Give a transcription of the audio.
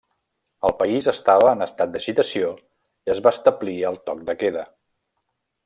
El país estava en estat d'agitació i es va establir el toc de queda.